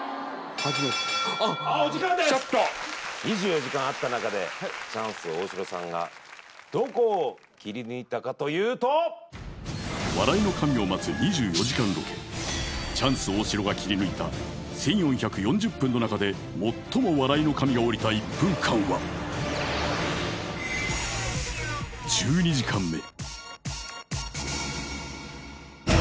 初めてお時間です２４時間あった中でチャンス大城さんがどこを切り抜いたかというと笑いの神を待つ２４時間ロケチャンス大城が切り抜いた１４４０分の中で最も笑いの神が降りた１分間は１２時間目